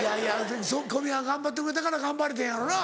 小宮が頑張ってくれたから頑張れたんやろな。